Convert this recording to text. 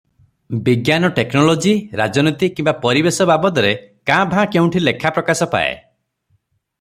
ବିଜ୍ଞାନ-ଟେକନୋଲୋଜି, ରାଜନୀତି କିମ୍ବା ପରିବେଶ ବାବଦରେ କାଁ ଭାଁ କେଉଁଠି ଲେଖା ପ୍ରକାଶ ପାଏ ।